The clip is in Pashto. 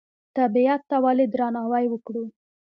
طبیعت ته ولې درناوی وکړو؟